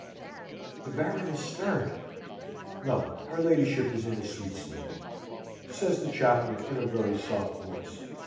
"The Baroness stirred no her ladyship is in a sweet sleep," says the chaplain, in a very soft voice.